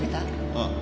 ああ。